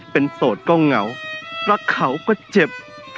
เป็นโสดก็เหงารักเขาก็เจ็บ